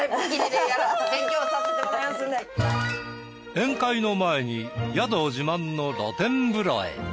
宴会の前に宿自慢の露天風呂へ。